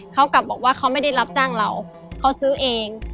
เขากลับบอกว่าเขาไม่ได้รับจ้างเราเขาซื้อเอง